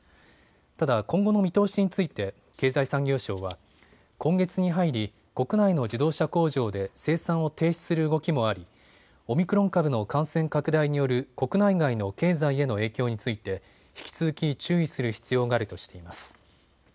ただ、今後の見通しについて経済産業省は今月に入り国内の自動車工場で生産を停止する動きもありオミクロン株の感染拡大による国内外の経済への影響について引き続き注意する必要があるとしています。